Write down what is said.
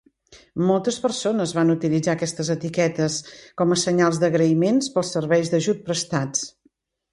Moltes persones van utilitzar aquestes etiquetes com a senyals d'agraïment pels serveis d'ajut prestats.